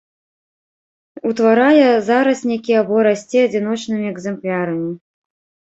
Утварае зараснікі або расце адзіночнымі экземплярамі.